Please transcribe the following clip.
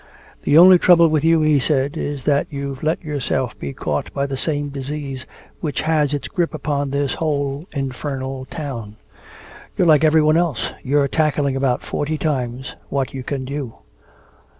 "The only trouble with you," he said, "is that you've let yourself be caught by the same disease which has its grip upon this whole infernal town. You're like everyone else, you're tackling about forty times what you can do.